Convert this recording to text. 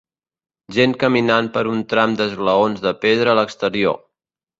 Gent caminant per un tram d'esglaons de pedra a l'exterior.